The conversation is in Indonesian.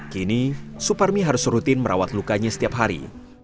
kini suparmi harus rutin merawat lukanya setiap hari